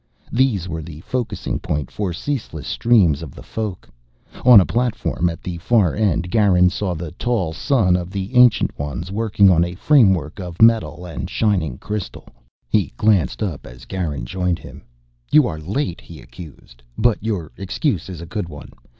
These were the focusing point for ceaseless streams of the Folk. On a platform at the far end, Garin saw the tall son of the Ancient Ones working on a framework of metal and shining crystal. He glanced up as Garin joined him. "You are late," he accused. "But your excuse is a good one.